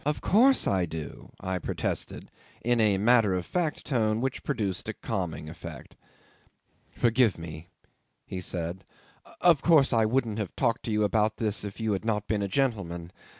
"Of course I do," I protested, in a matter of fact tone which produced a calming effect. "Forgive me," he said. "Of course I wouldn't have talked to you about all this if you had not been a gentleman.